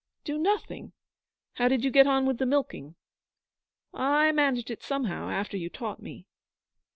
'Do nothing! How did you get on with the milking?' 'I managed it somehow after you taught me.'